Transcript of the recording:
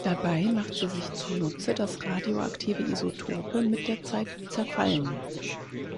Dabei macht sie sich zunutze, dass radioaktive Isotope mit der Zeit zerfallen.